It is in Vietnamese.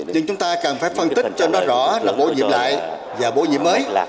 nhưng chúng ta cần phải phân tích cho nó rõ là bổ nhiệm lại và bổ nhiệm mới